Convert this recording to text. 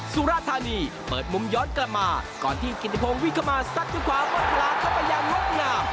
สุรธานีเปิดมุมย้อนกลับมาก่อนที่กินที่พงวิเข้ามาสัดขึ้นขวามดพลาดก็ไปยังงดงาม